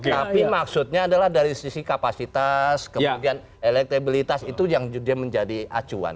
tapi maksudnya adalah dari sisi kapasitas kemudian elektabilitas itu yang menjadi acuan